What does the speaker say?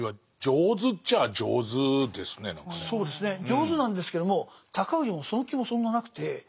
上手なんですけども高氏もその気もそんななくて。